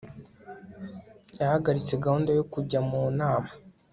yahagaritse gahunda yo kujya mu nama